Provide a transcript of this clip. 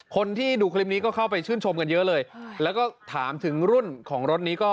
คนที่ดูคลิปนี้ก็เข้าไปชื่นชมกันเยอะเลยแล้วก็ถามถึงรุ่นของรถนี้ก็